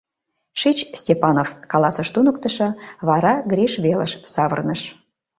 — Шич, Степанов, — каласыш туныктышо, вара Гриш велыш савырныш.